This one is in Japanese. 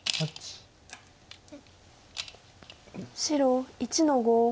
白１の五。